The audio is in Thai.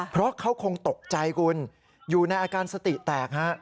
เพราะเขาคงตกใจคุณอยู่ในอาการสติแตกฮะ